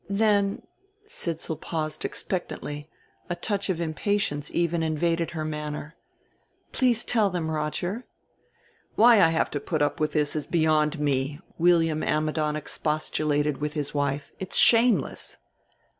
"Then " Sidsall paused expectantly, a touch of impatience even invaded her manner. "Please tell them, Roger." "Why I have to put up with this is beyond me," William Ammidon expostulated with his wife. "It's shameless."